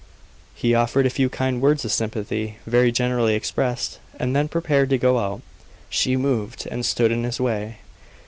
He offered a few kind words of sympathy, very generally expressed, and then prepared to go out. She moved, and stood in his way.